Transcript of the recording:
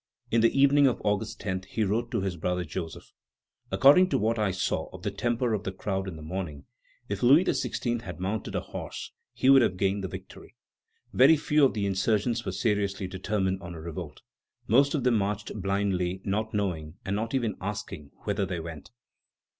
In the evening of August 10, he wrote to his brother Joseph: "According to what I saw of the temper of the crowd in the morning, if Louis XVI. had mounted a horse, he would have gained the victory." Very few of the insurgents were seriously determined on a revolt. Most of them marched blindly, not knowing, and not even asking, whither they went.